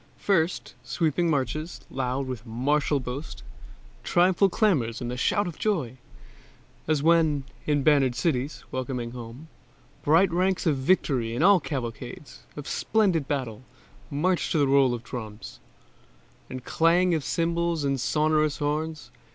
First, sweeping marches, loud with martial boast, Triumphal clamors and the shout of joy, As when, in bannered cities, welcoming home, Bright ranks of victory and cavalcades Of splendid battle march to roll of drums And clang of cymbals and sonorous horns.